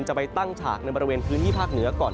จะไปตั้งฉากในบริเวณพื้นที่ภาคเหนือก่อน